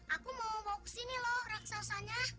aku mau bawa ke sini loh raksasanya